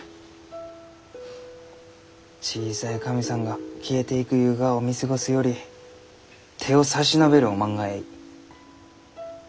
小さい神さんが消えていくゆうがを見過ごすより手を差し伸べるおまんがえい。